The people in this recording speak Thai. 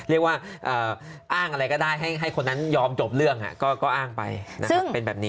เรียกว่าอ้างอะไรก็ได้ให้คนนั้นยอมจบเรื่องก็อ้างไปนะครับเป็นแบบนี้